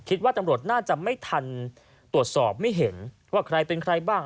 คิดว่าตำรวจน่าจะไม่ทันตรวจสอบไม่เห็นว่าใครเป็นใครบ้าง